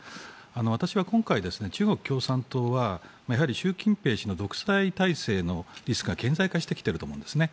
私は今回、中国共産党はやはり習近平氏の独裁体制のリスクが顕在化してきていると思うんですね。